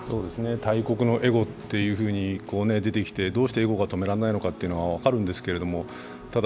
大国のエゴというふうに出てきてどうしてエゴが止められないのか分かるんですけどただ